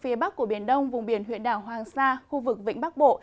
phía bắc của biển đông vùng biển huyện đảo hoàng sa khu vực vĩnh bắc bộ